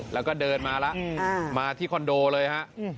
แล้วก็เดินมาแล้วมาที่คอนโดเลยฮะ